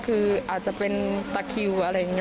คืออาจจะเป็นตะคิวอะไรอย่างนี้